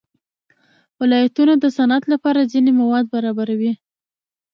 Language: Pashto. ولایتونه د صنعت لپاره ځینې مواد برابروي.